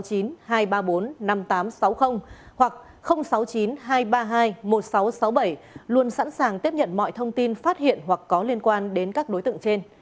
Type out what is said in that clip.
cơ quan công an sẵn sàng tiếp nhận mọi thông tin phát hiện hoặc có liên quan đến các đối tượng trên